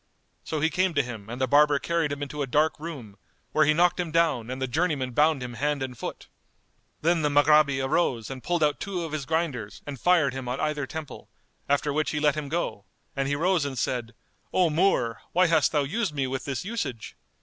So he came to him and the barber carried him into a dark room, where he knocked him down and the journeymen bound him hand and foot. Then the Maghrabi arose and pulled out two of his grinders and fired him on either temple; after which he let him go, and he rose and said, "O Moor, why hast thou used me with this usage?"